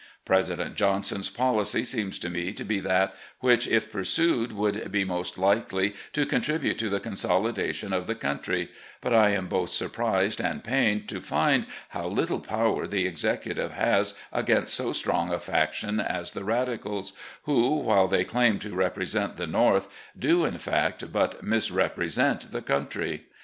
President Johnson's policy seems to me to be that which, if pursued, would be most likely to contribute to the consolidation of the country; but I am both surprised and pained to find how little power the Executive has against so strong a faction LEE'S OPINION UPON THE LATE WAR 229 as the Radicals, who, while they claim to represent the North, do, in fact, but misrepresent the country.